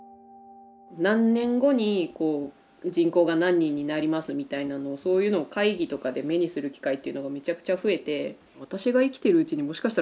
何年後に人口が何人になりますみたいなのをそういうのを会議とかで目にする機会っていうのがめちゃくちゃ増えて。